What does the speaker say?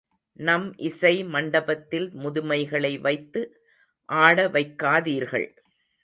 நம் இசை மண்டபத்தில் முதுமைகளை வைத்து ஆடவைக்காதீர்கள்.